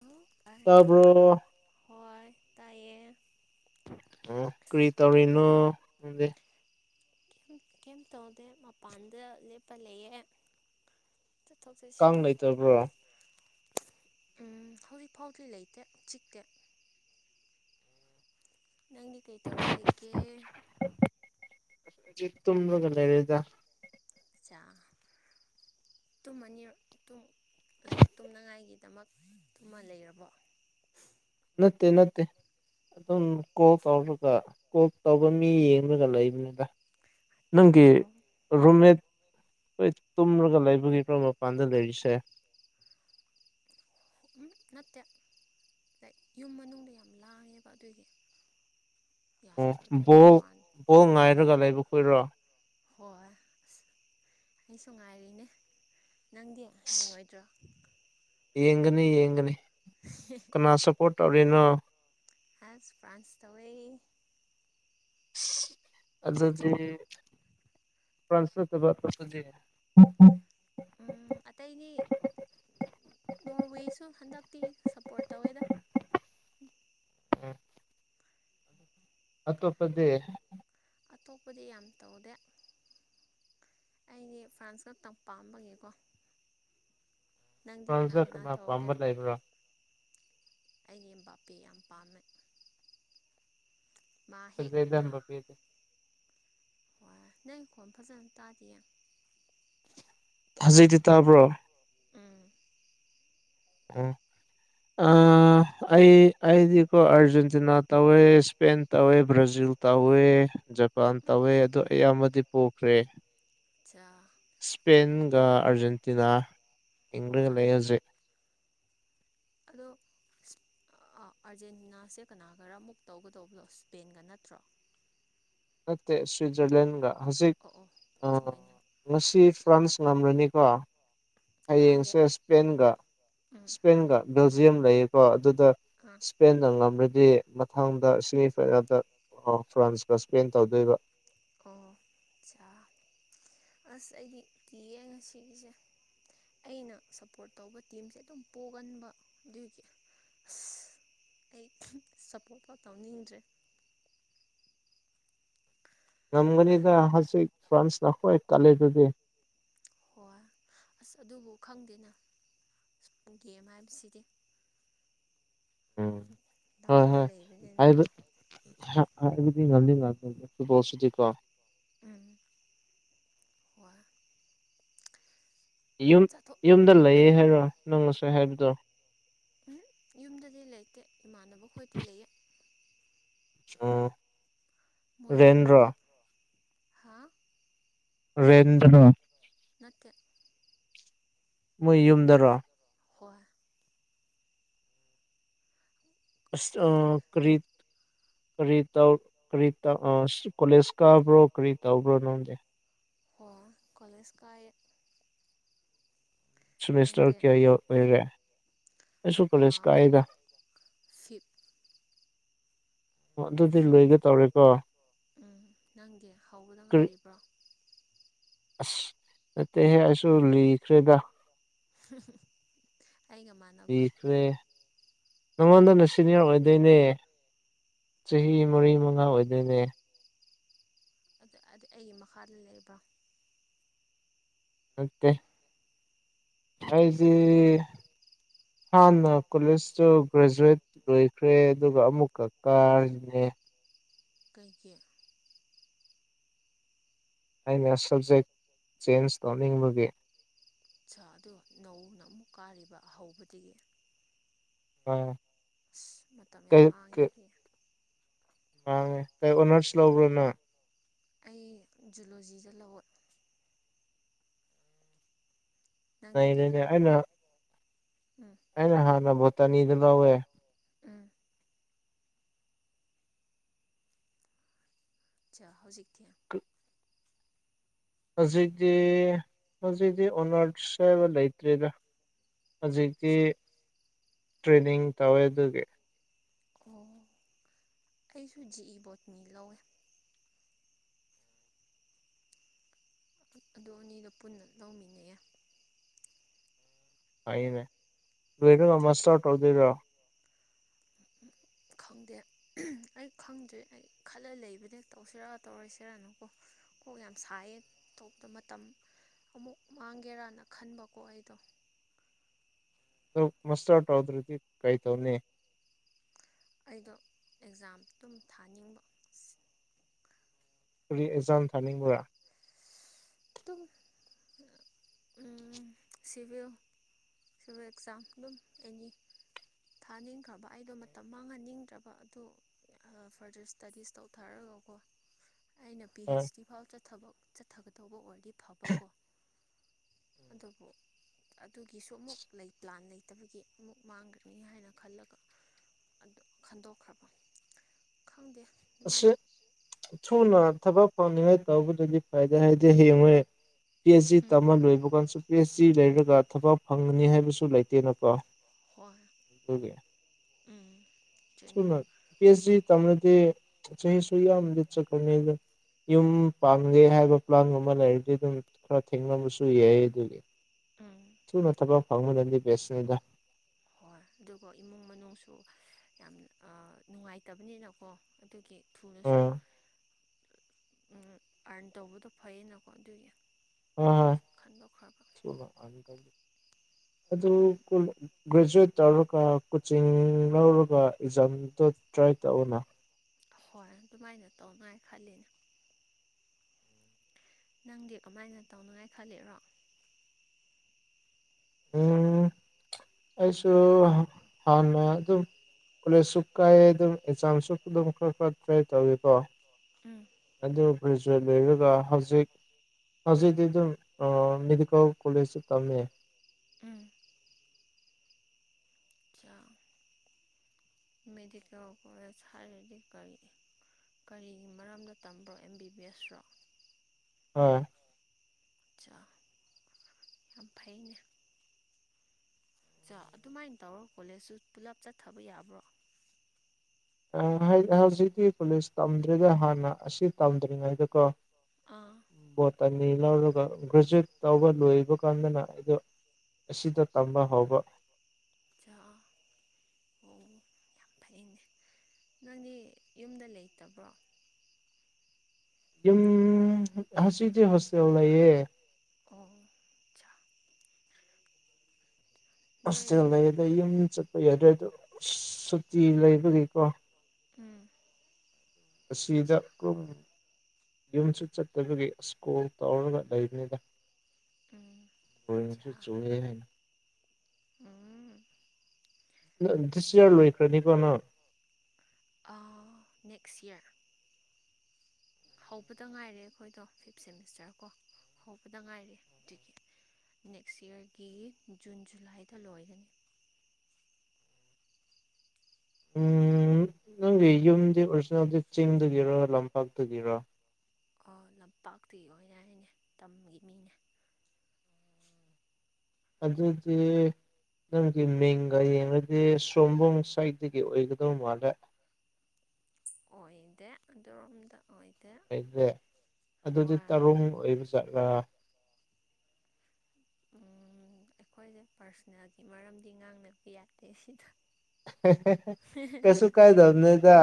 ꯑꯥꯏ ꯇꯥꯕ꯭ꯔꯣ ꯍꯣꯏ ꯇꯥꯏꯌꯦ ꯑꯣ ꯀ꯭ꯔꯤ ꯇꯧꯔꯤꯅꯣ ꯅꯪꯗꯤ ꯀꯩꯝ ꯀꯩꯝ ꯇꯧꯗꯦ ꯃꯄꯥꯟꯗ ꯂꯦꯞꯄ ꯂꯩꯌꯦ ꯆꯠꯊꯣꯛ ꯀꯥꯡ ꯆꯠꯁꯤꯟ ꯂꯩꯇꯕ꯭ꯔꯣ ꯎꯝ ꯍꯧꯖꯤꯛ ꯐꯥꯎꯗꯤ ꯂꯩꯇꯦ ꯆꯤꯛꯇꯦ ꯅꯪꯗꯤ ꯀꯩ ꯇꯧꯔ ꯂꯩꯒꯦ [unintelligible] ꯇꯨꯝꯃꯒ ꯂꯩꯔꯦꯗ ꯆꯥ ꯇꯨꯝꯃꯅꯤ ꯇꯨꯝ ꯂꯥꯏꯠ ꯇꯨꯝꯅꯉꯥꯏꯒꯤꯗꯃꯛ ꯇꯨꯝꯃ ꯂꯩꯔꯕꯣ ꯅꯠꯇꯦ ꯅꯠꯇꯦ ꯑꯗꯨꯝ ꯀꯣꯜ ꯇꯧꯔꯒ ꯀꯣꯜ ꯇꯧꯕ ꯃꯤ ꯌꯦꯡꯂꯒ ꯂꯩꯕꯅꯤꯗ ꯅꯪꯒꯤ ꯑꯣ ꯔꯨꯝꯃꯦꯠ ꯍꯣꯏ ꯇꯨꯝꯔꯒ ꯂꯩꯕꯒꯤꯔꯣ ꯃꯄꯥꯟꯗ ꯂꯩꯔꯤꯁꯦ ꯎꯝ ꯅꯠꯇꯦ [unintelligible] ꯌꯨꯝ ꯃꯅꯨꯡꯗ ꯌꯥꯝ ꯂꯥꯡꯉꯦꯕ ꯑꯗꯨꯒꯤ ꯑꯣ ꯌꯥꯗꯕ ꯑꯗꯨꯏ ꯕꯣꯜ ꯃꯄꯥꯟ ꯕꯣꯜ ꯉꯥꯏꯔꯒ ꯂꯩꯕꯈꯣꯏꯔꯣ ꯍꯣꯏ ꯑꯩꯁꯨ ꯉꯥꯏꯔꯤꯅꯦ ꯅꯪꯗꯤ ꯌꯦꯡꯉꯣꯏꯗ꯭ꯔꯣ ꯌꯦꯡꯒꯅꯤ ꯌꯦꯡꯒꯅꯤ ꯀꯅꯥ ꯁꯞꯄꯣꯔꯠ ꯇꯧꯔꯤꯅꯣ ꯐ꯭ꯔꯥꯟꯁ ꯐ꯭ꯔꯥꯟꯁ ꯇꯧꯋꯦ ꯑꯗꯨꯗꯤ ꯐ꯭ꯔꯥꯟꯁ ꯅꯠꯇꯕ ꯑꯇꯣꯞꯄꯗꯤ ꯎꯝ ꯑꯇꯩꯗꯤ ꯅꯣꯔꯋꯦꯁꯨ ꯍꯟꯗꯛꯇꯤ ꯁꯞꯄꯣꯔꯠ ꯇꯧꯋꯦꯗ ꯎꯝ ꯑꯇꯣꯞꯄꯗꯤ ꯑꯇꯣꯞꯄꯗꯤ ꯌꯥꯝ ꯇꯧꯗꯦ ꯑꯩꯗꯤ ꯐ꯭ꯔꯥꯟꯁ ꯈꯛꯇꯪ ꯄꯥꯝꯕꯒꯤꯀꯣ ꯅꯪꯗꯤ ꯀꯅꯥ ꯐ꯭ꯔꯥꯟꯁꯇ ꯀꯅꯥ ꯇꯧꯒꯦ ꯄꯥꯝꯕ ꯂꯩꯕ꯭ꯔꯣ ꯑꯩꯒꯤ ꯑꯦꯝꯕꯄꯦ ꯌꯥꯝ ꯄꯥꯝꯃꯦ ꯃꯥ ꯐꯖꯩꯗ ꯍꯦꯛꯅ ꯃꯕꯦꯗꯤ ꯅꯪꯒꯤ ꯈꯣꯟ ꯐꯖꯅ ꯇꯥꯗꯤꯌꯦ ꯍꯖꯤꯛꯇꯤ ꯇꯥꯕ꯭ꯔꯣ ꯎꯝ ꯎꯝ ꯑ [inaudible] ꯑꯩ ꯑꯩꯗꯤꯀꯣ ꯑꯥꯔꯖꯦꯟꯇꯤꯅ ꯇꯧꯋꯦ ꯏꯁꯄꯦꯟ ꯇꯧꯋꯦ ꯕ꯭ꯔꯥꯖꯤꯜ ꯇꯧꯋꯦ ꯖꯄꯥꯟ ꯎꯝ ꯇꯧꯋꯦ ꯑꯗꯨ ꯑꯌꯥꯝꯕꯗꯤ ꯄꯣꯈ꯭ꯔꯦ ꯆꯥ ꯁ꯭ꯄꯦꯟꯒ ꯑꯥꯔꯖꯦꯟꯇꯤꯅ ꯍꯤꯡꯂꯒ ꯍꯣꯏ ꯂꯩ ꯍꯧꯖꯤꯛ ꯑꯗꯣ ꯑꯥꯔꯖꯦꯟꯇꯤꯅꯥꯁꯦ ꯀꯅꯥꯒꯔ ꯑꯃꯨꯛ ꯇꯧꯒꯗꯧꯕꯗꯣ ꯁ꯭ꯄꯦꯟꯒ ꯅꯠꯇ꯭ꯔꯣ ꯅꯠꯇꯦ ꯁ꯭ꯋꯤꯠꯖꯔꯂꯦꯟꯒ ꯍꯧꯖꯤꯛ ꯑꯣ ꯑꯣ ꯑ ꯆꯨꯝꯃꯤꯅꯦ ꯉꯁꯤ ꯐ꯭ꯔꯥꯟꯁ ꯉꯝꯔꯅꯤꯀꯣ ꯈꯪꯗꯦ ꯍꯌꯦꯡꯁꯦ ꯏꯁꯄꯦꯟꯒ ꯎꯝ ꯏꯁꯄꯦꯟꯒ ꯕꯦꯜꯖꯤꯌꯝ ꯂꯩꯌꯦꯀꯣ ꯑꯗꯨꯗ ꯑ ꯏꯁꯄꯦꯟꯅ ꯉꯝꯔꯗꯤ ꯃꯊꯪꯗ ꯁꯤꯃꯤ ꯐꯥꯏꯅꯦꯜꯗ ꯐ꯭ꯔꯥꯟꯁꯀ ꯏꯁꯄꯦꯟ ꯇꯧꯗꯣꯏꯕ ꯑꯣ ꯑꯆꯥ ꯑꯁ ꯑꯩꯗꯤ ꯀꯤꯌꯦ ꯉꯁꯤꯒꯤꯁꯦ ꯑꯩꯅ ꯁꯞꯄꯣꯔꯠ ꯇꯧꯕ ꯇꯤꯝꯁꯦ ꯑꯗꯨꯝ ꯄꯣꯛꯒꯟꯕ ꯑꯗꯨꯒꯤ ꯑꯁ ꯑꯩ ꯁꯞꯄꯣꯔꯠꯀ ꯇꯧꯅꯤꯡꯗ꯭ꯔꯦ ꯉꯝꯒꯅꯤꯗ ꯍꯧꯖꯤꯛ ꯐ꯭ꯔꯥꯟꯁꯅ ꯈ꯭ꯋꯥꯏ ꯀꯜꯂꯤꯗꯨꯗꯤ ꯍꯣꯏ ꯑꯁ ꯑꯗꯨꯕꯨ ꯈꯪꯗꯦꯅ ꯑꯁ ꯄꯨꯡ ꯒꯦꯝ ꯍꯥꯏꯕꯁꯤꯗꯤ ꯎꯝ ꯗꯥꯎꯗ ꯂꯩꯕꯅꯤꯅꯀꯣ ꯑꯗꯨꯗꯤ ꯉꯝꯗꯤ ꯉꯝꯗꯦ ꯐꯨꯠꯕꯣꯜꯁꯤꯗꯤꯀꯣ ꯎꯝ ꯍꯣꯏ ꯌꯨꯝ ꯆꯠꯊꯣꯛ ꯌꯨꯝꯗ ꯂꯩꯌꯦ ꯍꯥꯏꯔꯣ ꯅꯪ ꯉꯁꯥꯏ ꯍꯥꯏꯕꯗꯣ ꯎꯝ ꯌꯨꯝꯗꯗꯤ ꯂꯩꯇꯦ ꯏꯃꯥꯟꯅꯕ ꯈꯣꯏꯗ ꯂꯩꯌꯦ ꯑꯣ ꯃꯣꯏ ꯃꯅꯨꯡꯗ ꯍꯥ ꯔꯦꯟꯗꯔꯣ ꯅꯠꯇꯦ ꯃꯣꯏ ꯌꯨꯝꯗꯔꯣ ꯍꯣꯏ ꯑꯁ ꯑ ꯑꯩꯈꯣꯏꯗꯤ ꯀꯔꯤ ꯀꯔꯤ ꯇꯧ ꯀꯔꯤ ꯇꯧ ꯑꯥ ꯀꯣꯂꯦꯖ ꯀꯥꯕ꯭ꯔꯣ ꯀꯔꯤ ꯇꯧꯕ꯭ꯔꯣ ꯅꯪꯗꯤ ꯍꯣ ꯀꯂꯦꯖ ꯀꯥꯌꯦ ꯁꯦꯃꯤꯁꯇꯔ ꯅꯪꯗꯤ ꯀꯌꯥ ꯌꯧ ꯑꯣꯏꯔꯦ ꯑꯩꯁꯨ ꯀꯣꯂꯦꯖ ꯀꯥꯏꯌꯦꯗ ꯐꯤꯞ ꯑꯣ ꯑꯗꯨꯗꯤ ꯐꯤꯞ ꯂꯣꯏꯒꯦ ꯇꯧꯔꯦꯀꯣ ꯎꯝ ꯅꯪꯗꯤ ꯍꯧꯕꯗ ꯀꯔꯤ ꯉꯥꯏꯔꯤꯕ꯭ꯔꯣ ꯑꯁ ꯅꯠꯇꯦꯍꯦ ꯑꯩꯁꯨ ꯂꯤꯈ꯭ꯔꯦꯗ ꯍꯨꯝꯍꯨꯝ ꯑꯩꯒ ꯃꯥ ꯂꯤꯈ꯭ꯔꯦ ꯅꯉꯣꯟꯗꯅ ꯁꯦꯅꯤꯌꯔ ꯑꯣꯏꯗꯨꯏꯅꯦ ꯆꯍꯤ ꯑꯣ ꯃꯔꯤ ꯃꯉꯥ ꯑꯣꯏꯗꯨꯏꯅꯦ ꯑꯗꯨ ꯑꯗꯨ ꯑꯩꯒꯤ ꯃꯈꯥꯗ ꯂꯩꯕꯥ ꯅꯠꯇꯦ ꯑꯩꯖꯤ ꯑꯗꯨꯗꯤ ꯍꯥꯟꯅ ꯀꯣꯂꯦꯖꯇꯨ ꯒ꯭ꯔꯦꯖ꯭ꯋꯦꯠ ꯂꯣꯏꯈ꯭ꯔꯦ ꯑꯗꯨꯒ ꯑꯃꯨꯛꯀ ꯀꯥꯔꯤꯅꯦ ꯀꯩꯒꯤ ꯑꯩꯅ ꯁꯕꯖꯦꯛ ꯆꯦꯟꯖ ꯇꯧꯅꯤꯡꯕꯒꯤ ꯁꯥ ꯑꯗꯨ ꯅꯧꯅ ꯑꯃꯨꯛ ꯀꯥꯔꯤꯕ ꯍꯧꯕꯗꯒꯤ ꯎꯝ ꯑꯁ ꯃꯇꯝ ꯌꯥꯝ ꯃꯥꯡꯉꯤꯍꯦ ꯃꯥꯡꯉꯦ ꯀꯩ ꯑꯣꯅ꯭ꯔꯁ ꯂꯧꯕ꯭ꯔꯣ ꯅꯪ ꯑꯩ ꯖꯨꯂꯣꯖꯤꯗ ꯂꯧꯋꯦ ꯅꯪꯗꯤ ꯀꯩ ꯅꯩꯔꯦꯅꯦ ꯂꯧꯕ꯭ꯔꯣ ꯑꯩꯅ ꯎꯝ ꯑꯩꯅ ꯍꯥꯟꯅ ꯕꯣꯇꯅꯤꯗ ꯂꯧꯋꯦ ꯎꯝ ꯁꯥ ꯍꯧꯖꯤꯛꯇꯤ [inaudible] ꯍꯧꯖꯤꯛꯇꯤ ꯍꯧꯖꯤꯛꯇꯤ ꯑꯣꯅ꯭ꯔꯁ ꯍꯥꯏꯕ ꯂꯩꯇ꯭ꯔꯦꯗ ꯍꯧꯖꯤꯛꯇꯤ ꯇ꯭ꯔꯦꯅꯤꯡ ꯇꯧꯋꯦ ꯑꯗꯨꯒꯤ ꯑꯣ ꯑꯩꯁꯨ ꯖꯤ ꯏ ꯕꯣꯠꯅꯤ ꯂꯧꯋꯦ ꯑꯗꯨ ꯑꯅꯤꯗꯣ ꯄꯨꯟꯅ ꯂꯧꯃꯤꯟꯅꯩꯌꯦ ꯐꯩꯅꯦ ꯂꯣꯏꯔꯒ ꯃꯁꯇꯔ ꯇꯧꯗꯨꯏꯔꯣ ꯈꯪꯗꯦ ꯎꯝ ꯑꯩ ꯈꯪꯗ꯭ꯔꯤ ꯑꯩ ꯈꯜꯂ ꯂꯩꯕꯅꯦ ꯇꯧꯁꯤꯔ ꯇꯧꯔꯣꯏꯁꯤꯔꯅꯀꯣ ꯀꯣꯛ ꯌꯥꯝ ꯁꯥꯏꯌꯦ ꯇꯧꯕꯗ ꯃꯇꯝ ꯑꯃꯨꯛ ꯃꯥꯡꯒꯦꯔꯥꯅ ꯈꯟꯕꯀꯣ ꯑꯩꯗꯣ ꯑꯗꯣ ꯃꯁꯇꯔ ꯇꯧꯗ꯭ꯔꯗꯤ ꯀꯩ ꯇꯧꯅꯤ ꯑꯩꯗꯣ ꯑꯦꯛꯖꯥꯝ ꯑꯗꯨꯝ ꯊꯥꯅꯤꯡꯕ ꯀꯔꯤ ꯑꯦꯖꯥꯝ ꯊꯥꯅꯤꯡꯕ꯭ꯔꯥ ꯇꯨꯝ ꯎꯝ ꯁꯤꯚꯤꯜ ꯁꯤꯚꯤꯜ ꯑꯦꯛꯖꯥꯝ ꯑꯗꯨꯝ ꯑꯦꯅꯤ ꯊꯥꯅꯤꯡꯈ꯭ꯔꯕ ꯑꯩꯗꯣ ꯃꯇꯝ ꯃꯥꯡꯍꯟꯅꯤꯡꯗ꯭ꯔꯕ ꯑꯗꯨ ꯑꯥ ꯐ꯭ꯔꯗꯔ ꯏꯁꯇꯗꯤꯁ ꯇꯧꯊꯔꯒꯀꯣ ꯑꯩꯅ ꯄꯤ ꯍꯩꯆ ꯗꯤ ꯐꯥꯎ ꯆꯠꯊꯕ ꯆꯠꯊꯒꯗꯧꯕ ꯑꯣꯏꯔꯗꯤ ꯐꯕꯀꯣ ꯑꯗꯨꯕꯨ ꯑꯗꯨꯒꯤꯁꯨ ꯑꯃꯨꯛ ꯂꯩ ꯄ꯭ꯂꯥꯟ ꯂꯩꯇꯕꯒꯤ ꯑꯃꯨꯛ ꯃꯥꯡꯒ꯭ꯔꯅꯤ ꯍꯥꯏꯅ ꯈꯜꯂꯒ ꯑꯗꯣ ꯈꯟꯗꯣꯛꯈ꯭ꯔꯕ ꯈꯪꯗꯦ ꯑꯁꯤ ꯑꯗꯨꯃꯥꯏꯅ ꯊꯨꯅ ꯊꯕꯛ ꯐꯪꯅꯤꯡꯉꯥꯏ ꯇꯧꯕꯗꯗꯤ ꯐꯩꯗ ꯍꯥꯏꯗꯤ ꯍꯌꯦꯡꯋꯥꯏ ꯄꯤ ꯑꯩꯆ ꯖꯤ ꯎꯝ ꯇꯝꯃ ꯂꯣꯏꯕ ꯀꯥꯟꯁꯨ ꯄꯤ ꯑꯩꯆ ꯖꯤ ꯂꯩꯔꯒ ꯊꯕꯛ ꯐꯪꯒꯅꯤ ꯍꯥꯏꯕꯁꯨ ꯂꯩꯇꯦꯅꯀꯣ ꯑꯣꯏ ꯑꯗꯨꯒꯤ ꯎꯝ ꯆꯨꯅꯤ ꯊꯨꯅ ꯄꯤ ꯍꯩꯁ ꯗꯤ ꯇꯝꯂꯗꯤ ꯆꯍꯤ ꯁꯨ ꯌꯥꯝ ꯆꯠꯈ꯭ꯔꯅꯤꯗ ꯌꯨꯝ ꯄꯥꯟꯒꯦ ꯍꯥꯏꯕ ꯄ꯭ꯂꯥꯟ ꯒꯨꯝꯕ ꯂꯩꯔꯗꯤ ꯑꯗꯨꯝ ꯈꯔ ꯊꯦꯡꯅꯕꯁꯨ ꯌꯥꯏ ꯑꯗꯨꯒꯤ ꯎꯝ ꯁꯨꯝꯕ ꯊꯕꯛ ꯐꯪꯕꯅꯗꯤ ꯕꯦꯁ ꯑꯣꯏꯗ ꯍꯣꯏ ꯑꯗꯨꯒ ꯏꯃꯨꯡ ꯃꯅꯨꯡꯁꯨ ꯌꯥꯝ ꯑꯥ ꯅꯨꯨꯡꯉꯥꯏꯇꯕꯅꯤꯅꯀꯣ ꯑꯗꯨꯒꯤ ꯊꯨꯅꯁꯨ ꯑꯥ ꯎꯝ ꯑꯥ꯭ꯔꯟ ꯇꯧꯕꯗꯣ ꯐꯩꯌꯦꯅꯀꯣ ꯑꯗꯨꯒꯤ ꯎꯝ ꯍꯥ ꯈꯟꯗꯣꯛꯈ꯭ꯔꯕ [unintelligible] ꯑꯗꯨ ꯎꯝ ꯀꯨꯜ ꯒ꯭ꯔꯦꯖꯨꯋꯦꯠ ꯇꯧꯔꯒ ꯀꯣꯆꯤꯡ ꯂꯧꯔꯒ ꯑꯦꯛꯖꯥꯝꯗꯣ ꯇ꯭ꯔꯥꯏ ꯇꯧꯋꯣꯅ ꯍꯣꯏ ꯑꯗꯨꯃꯥꯏꯅ ꯇꯧꯅꯉꯥꯏ ꯈꯜꯂꯤꯅꯦ ꯅꯪꯗꯤ ꯀꯃꯥꯏꯅ ꯇꯧꯅꯉꯥꯏ ꯈꯜꯂꯤꯔꯣ ꯎꯝ ꯑꯩꯁꯨ ꯍꯥ ꯍꯥꯟꯅ ꯑꯗꯨꯝ ꯀꯣꯂꯦꯖꯁꯨ ꯀꯥꯏꯌꯦ ꯑꯗꯨꯝ ꯑꯦꯛꯖꯥꯝꯁꯨ ꯑꯗꯨꯝ ꯈꯔ ꯈꯔ ꯇ꯭ꯔꯥꯏ ꯇꯧꯋꯤ ꯀꯣ ꯎꯝ ꯑꯗꯨ ꯒ꯭ꯔꯦꯖꯨꯋꯦꯠ ꯂꯣꯏꯔꯒ ꯍꯧꯖꯤꯛ ꯍꯧꯖꯤꯛꯇꯤ ꯑꯗꯨꯝ ꯑꯥ ꯃꯦꯗꯤꯀꯦꯜ ꯀꯣꯂꯦꯖꯇ ꯇꯝꯃꯦ ꯎꯝ ꯃꯦꯗꯤꯀꯦꯜ ꯀꯣꯂꯦꯖ ꯍꯥꯏꯔꯗꯤ ꯀꯔꯤ ꯀꯔꯤꯒꯤ ꯃꯔꯝꯗ ꯇꯝꯕ꯭ꯔꯣ ꯑꯦꯝ ꯕꯤ ꯕꯤ ꯑꯦꯁ ꯔꯣ ꯍꯣꯏ ꯆꯥ ꯌꯥꯝ ꯐꯩꯅꯦ ꯆꯥ ꯑꯗꯨꯃꯥꯏꯟ ꯇꯧꯔꯥ ꯀꯣꯂꯦꯖꯁꯨꯨ ꯄꯨꯂꯞ ꯆꯠꯊꯕ ꯌꯥꯕ꯭ꯔꯣ ꯑꯥ ꯍꯥꯏ ꯍꯧꯖꯤꯛꯇꯤ ꯀꯣꯂꯦꯖ ꯇꯝꯗ꯭ꯔꯦꯗ ꯍꯥꯟꯅ ꯑꯁꯤ ꯇꯝꯗ꯭ꯔꯤꯉꯩꯗꯀꯣ ꯑꯥ ꯕꯣꯠꯇꯅꯤ ꯂꯧꯔꯒ ꯒ꯭ꯔꯦꯖꯨꯑꯦꯠ ꯇꯧꯕ ꯂꯣꯏꯕ ꯀꯥꯟꯗꯅ ꯑꯩꯗꯣ ꯑꯁꯤꯗ ꯇꯝꯅ ꯍꯧꯕ ꯆꯥ ꯑꯣ ꯌꯥꯝ ꯐꯩꯅꯦ ꯅꯪꯗꯤ ꯌꯨꯝꯗ ꯂꯩꯇꯕ꯭ꯔꯣ ꯌꯨꯝ ꯍꯧꯖꯤꯛꯇꯤ ꯍꯣꯁꯇꯦꯜ ꯂꯩꯌꯦ ꯑꯣ ꯆꯥ ꯍꯣꯁꯇꯦꯜ ꯅꯣꯏꯗꯤ ꯂꯩ ꯑꯗꯥ ꯌꯨꯝ ꯆꯠꯄ ꯌꯥꯗ꯭ꯔꯦ ꯑꯗꯣ ꯁꯨꯇꯤ ꯂꯩꯕꯒꯤꯀꯣ ꯎꯝ ꯆꯥ ꯑꯁꯤꯗ [unintelligible] ꯌꯨꯝꯁꯨ ꯆꯠꯇꯕꯒꯤ ꯑꯁ‌ ꯀꯣꯜ ꯇꯧꯔꯒ ꯂꯩꯕꯅꯤꯗ ꯎꯝ ꯊꯣꯏꯅꯁꯨ ꯆꯥ ꯆꯨꯋꯦ ꯍꯥꯏꯅ ꯎꯝ ꯅ ꯗꯤꯁ ꯏꯌꯔ ꯂꯣꯏꯈ꯭ꯔꯅꯤꯀꯣ ꯅꯪ ꯑꯥ ꯅꯦꯛꯁ ꯏꯌꯔ ꯍꯧꯕꯗ ꯉꯥꯏꯔꯤ ꯑꯩꯈꯣꯏꯗꯣ ꯐꯤꯞ ꯁꯦꯃꯤꯁꯇꯔ ꯀꯣ ꯍꯧꯕꯗ ꯉꯥꯏꯔꯤ ꯑꯗꯨꯒꯤ ꯅꯦꯛꯁ ꯏꯌꯔꯒꯤ ꯖꯨꯟ ꯖꯨꯂꯥꯏꯗ ꯂꯣꯏꯒꯅꯤ ꯎꯝ ꯅꯪꯒꯤ ꯌꯨꯝꯗꯤ ꯑꯣꯔꯤꯖꯤꯅꯦꯜꯗꯤ ꯆꯤꯡꯗꯒꯤꯔꯣ ꯂꯝꯄꯥꯛꯇꯒꯤꯔꯣ ꯑꯣ ꯂꯝꯄꯥꯛꯇꯒꯤ ꯑꯣꯏꯅ ꯍꯥꯏꯅꯦ ꯇꯝꯒꯤ ꯃꯤꯅꯦ ꯑꯗꯨꯗꯤ ꯅꯪꯒꯤ ꯃꯤꯡꯒ ꯌꯦꯡꯂꯗꯤ ꯁꯣꯝꯕꯣꯡ ꯁꯥꯏꯠꯇꯒꯤ ꯑꯣꯏꯒꯗꯧꯕ ꯃꯥꯜꯂꯦ ꯑꯣꯏꯗꯦ ꯑꯗꯣꯝꯗ ꯑꯣꯏꯗꯦ ꯑꯣꯏꯗꯦ ꯑꯗꯨꯗꯤ ꯍꯣꯏ ꯇꯔꯨꯡ ꯑꯣꯏꯕ ꯖꯠꯂꯥ ꯎꯝ ꯑꯩꯈꯣꯏꯒꯤ ꯄꯥꯔꯁꯣꯅꯦꯜꯒꯤ ꯃꯔꯝꯗꯤ ꯉꯥꯡꯅꯕ ꯌꯥꯗꯦ ꯁꯤꯗ ꯀꯩꯁꯨ ꯀꯥꯏꯗꯕꯅꯤꯗ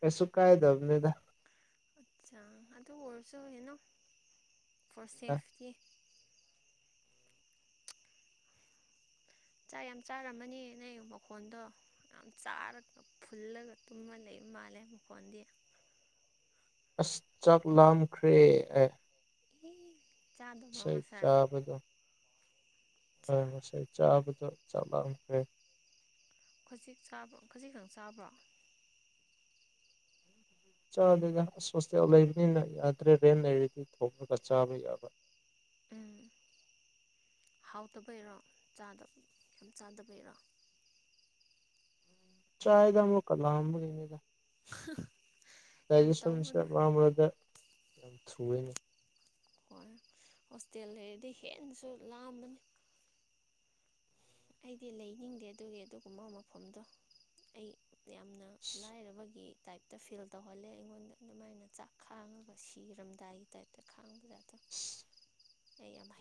ꯀꯩꯁꯨ ꯀꯥꯏꯗꯕꯅꯤꯗ ꯑꯦ [unintelligible] ꯆꯥꯛ ꯌꯥꯝ ꯆꯥꯔꯝꯃꯅꯤ ꯅꯪ ꯃꯈꯣꯟꯗꯣ ꯌꯥꯝ ꯆꯥꯔꯒ ꯐꯨꯜꯂꯒ ꯇꯨꯝꯃ ꯂꯩꯕ ꯃꯥꯜꯂꯦ ꯃꯈꯣꯟꯗꯤ ꯑꯁ ꯆꯥꯛ ꯂꯥꯝꯈ꯭ꯔꯦ ꯑꯦ ꯑꯦ ꯆꯥꯗꯕ꯭ꯔꯣ ꯉꯁꯥꯏ [unintelligible] ꯍꯣꯏ ꯉꯁꯥꯏ ꯆꯥꯕꯗꯣ ꯆꯥꯛ ꯂꯥꯝꯈ꯭ꯔꯦ ꯈꯖꯤꯛ ꯆꯥꯕ ꯈꯖꯤꯛꯈꯛ ꯆꯥꯕ꯭ꯔꯣ ꯆꯥꯗꯦꯗ ꯑꯁ ꯍꯣꯁꯇꯦꯜ ꯂꯩꯕꯅꯤꯅ ꯌꯥꯗ꯭ꯔꯦ ꯔꯦꯟ ꯂꯩꯔꯗꯤ ꯊꯣꯡꯂꯒ ꯆꯥꯕ ꯌꯥꯕ ꯎꯝ ꯍꯥꯎꯇꯕꯩꯔꯣ ꯆꯥꯗ ꯌꯥꯝ ꯆꯥꯗꯕꯩꯔꯣ ꯆꯥꯌꯦꯗ ꯑꯃꯨꯛꯀ ꯂꯥꯝꯕꯒꯤꯅꯤꯗ [unintelligible] ꯌꯥꯝ ꯁꯨꯝ ꯇꯧꯕꯅꯦ ꯃꯔꯛ ꯃꯔꯛꯇ ꯁꯨꯌꯦꯅꯦ ꯍꯣꯏ ꯍꯣꯁꯇꯦꯜ ꯂꯩꯔꯗꯤ ꯍꯦꯟꯅꯁꯨ ꯂꯥꯝꯕꯅꯤ ꯑꯩꯗꯤ ꯂꯩꯅꯤꯡꯗꯦ ꯑꯗꯨꯒꯤ ꯑꯗꯨꯒꯨꯝꯕ ꯃꯐꯝꯗꯣ ꯑꯩ ꯌꯥꯝꯅ ꯂꯥꯏꯔꯕꯒꯤ ꯇꯥꯏꯞꯇ ꯐꯤꯜ ꯇꯧꯍꯜꯂꯦ ꯑꯩꯉꯣꯟꯗ ꯑꯗꯨꯃꯥꯏꯅ ꯆꯥꯛ ꯈꯥꯡꯉꯒ ꯁꯤꯔꯝꯗꯥꯏꯒꯤ ꯇꯥꯏꯞꯇ ꯈꯥꯡꯕꯗꯦ ꯑꯗꯣ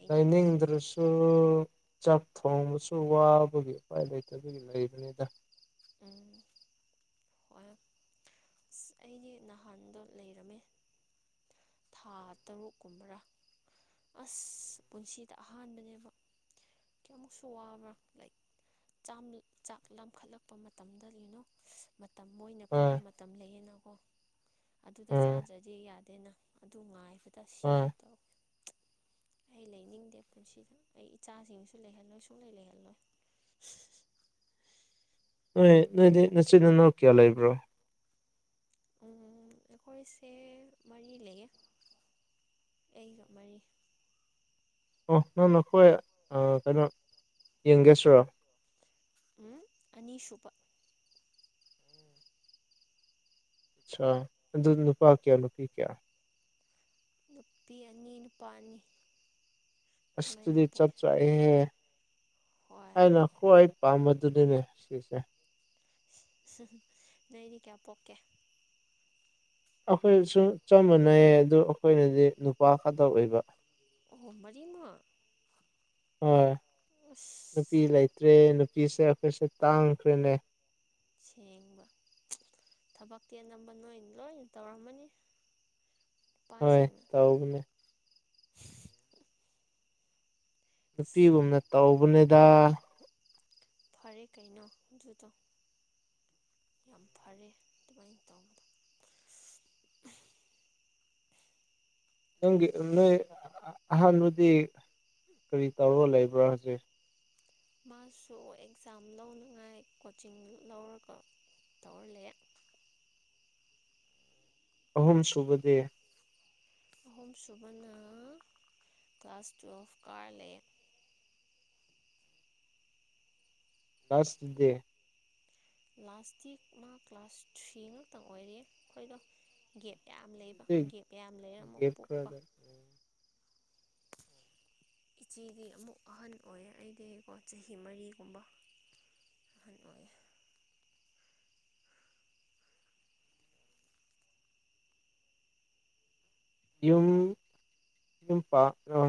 ꯂꯩꯅꯤꯡꯗ꯭ꯔꯁꯨ ꯆꯥꯛ ꯊꯣꯡꯕꯁꯨ ꯋꯥꯕꯒꯤ ꯎꯄꯥꯏ ꯂꯩꯇꯕꯒꯤ ꯂꯩꯕꯅꯤꯗ ꯎꯝ ꯍꯣꯏ ꯑꯁ ꯑꯩꯗꯤ ꯅꯍꯥꯟꯗꯣ ꯂꯩꯔꯝꯃꯦ ꯊꯥ ꯇꯔꯨꯛ ꯀꯨꯝꯕꯔꯥ ꯑꯁ ꯄꯨꯟꯁꯤꯗ ꯑꯍꯥꯟꯕꯅꯦꯕ ꯀꯌꯥꯃꯨꯛꯁꯨ ꯋꯥꯕ꯭ꯔꯥ ꯂꯥꯏꯛ ꯆꯥꯝ ꯆꯥꯛ ꯂꯥꯝꯈꯠꯂꯛꯄ ꯃꯇꯝꯗ ꯃꯇꯝ ꯃꯣꯏꯅ ꯄꯤꯕ ꯑꯥ ꯃꯇꯝ ꯂꯩꯌꯦꯅꯀꯣ ꯑꯗꯨꯗ ꯑꯥ ꯆꯥꯖ꯭ꯔꯗꯤ ꯌꯥꯗꯦꯅ ꯑꯗꯨ ꯉꯥꯏꯕꯗ ꯑꯥ ꯁꯤꯒꯦ ꯇꯧ ꯑꯩ ꯂꯩꯅꯤꯡꯗꯦ ꯄꯨꯟꯁꯤꯗ ꯑꯩ ꯏꯆꯥꯁꯤꯡꯁꯨ ꯂꯩꯍꯜꯂꯣꯏ ꯁꯨꯡꯂꯩ ꯂꯩꯍꯜꯂꯣꯏ ꯅꯣꯏ ꯅꯣꯏꯗꯤ ꯅꯆꯤꯟ ꯅꯅꯥꯎ ꯀꯌꯥ ꯂꯩꯥꯕ꯭ꯔꯣ ꯎꯝ ꯑꯩꯈꯣꯏꯁꯦ ꯃꯔꯤ ꯂꯩꯌꯦ ꯑꯩꯒ ꯃꯔꯤ ꯑꯣ ꯅꯪꯅ ꯈꯣꯏ ꯀꯩꯅꯣ ꯌꯦꯡꯒꯦꯁꯔꯣ ꯎꯝ ꯑꯅꯤ ꯁꯨꯕ ꯑꯆꯥ ꯑꯗꯨ ꯅꯨꯨꯄꯥ ꯀꯌꯥ ꯅꯨꯨꯄꯤ ꯀꯌꯥ ꯅꯨꯄꯤ ꯑꯅꯤ ꯅꯨꯄꯥ ꯑꯅꯤ ꯑꯁ ꯑꯗꯨꯃꯥꯏꯅ ꯗꯨꯗꯤ ꯆꯞ ꯄꯣꯛꯑꯦ ꯆꯥꯌꯦꯍꯦ ꯍꯣꯏ ꯊꯥꯏꯅ ꯈꯋ꯭ꯥꯏ ꯄꯥꯝꯕꯗꯨꯅꯤꯅꯦ ꯁꯤꯁꯦ ꯅꯣꯏꯗꯤ ꯀꯌꯥ ꯄꯣꯛꯀꯦ ꯑꯈꯣꯏꯁꯨ ꯆꯞ ꯃꯥꯟꯅꯩꯌꯦ ꯑꯗꯨ ꯑꯈꯣꯏꯅꯗꯤ ꯅꯨꯄꯥ ꯈꯛꯇ ꯑꯣꯏꯕ ꯑꯣ ꯃꯔꯤꯃꯛ ꯍꯣꯏ ꯑꯁ ꯅꯨꯄꯤ ꯂꯩ ꯅꯨꯄꯤꯁꯦ ꯑꯈꯣꯏꯁꯨ ꯇꯥꯡꯈ꯭ꯔꯦꯅꯦ ꯁꯦꯡꯕ ꯊꯕꯛꯇꯤ ꯑꯅꯝꯕ ꯅꯣꯏꯟ ꯂꯣꯏꯅ ꯇꯧꯔꯝꯃꯅꯤ ꯍꯣꯏ ꯅꯨꯄꯥꯁꯤꯡꯅ ꯇꯧꯕꯅꯦ ꯑꯁ ꯅꯨꯄꯤꯒꯨꯝꯅ ꯇꯧꯕꯅꯦꯗ ꯐꯔꯦ ꯀꯩꯅꯣ ꯑꯗꯨꯗꯣ ꯌꯥꯝ ꯐꯔꯦ ꯑꯗꯨꯃꯥꯏꯅ ꯇꯧꯕꯗꯣ ꯅꯪꯒꯤ ꯅꯣꯏ ꯑꯍꯟꯗꯨꯗꯤ ꯀꯔꯤ ꯇꯧꯔꯒ ꯂꯩꯕ꯭ꯔꯥ ꯍꯧꯖꯤꯛ ꯃꯥꯁꯨ ꯑꯦꯛꯖꯥꯝ ꯂꯧꯅꯉꯥꯏ ꯀꯣꯆꯤꯡ ꯂꯧꯔꯒ ꯇꯧꯔ ꯂꯩ ꯑꯍꯨꯝ ꯁꯨꯕꯗꯤ ꯑꯍꯨꯝꯁꯨꯨꯕꯅ ꯀ꯭ꯂꯥꯁ ꯇꯨꯌꯦꯜꯐ ꯀꯥꯔꯂꯩꯑꯦ ꯂꯥꯁꯇꯨꯗꯤ ꯂꯥꯁꯇꯤ ꯃꯥ ꯀ꯭ꯂꯥꯁ ꯊ꯭ꯔꯤ ꯉꯥꯛꯇ ꯑꯣꯏꯔꯤ [unintelligible] ꯒꯦꯞ ꯌꯥꯝ ꯂꯩꯕ ꯒꯦꯞ ꯌꯥꯝ ꯂꯩꯔ ꯑꯃꯨꯛ ꯒꯦꯞ ꯄꯣꯛꯄ ꯈꯔꯗ ꯏꯆꯦꯗꯤ ꯑꯃꯨꯛ ꯑꯍꯟ ꯑꯣꯏꯌꯦ ꯑꯩꯗꯤꯀꯣ ꯆꯍꯤ ꯃꯔꯤꯒꯨꯝꯕ ꯑꯍꯟ ꯑꯣꯏꯌꯦ ꯌꯨꯝ ꯌꯨꯝ ꯄꯥ ꯅꯣꯢ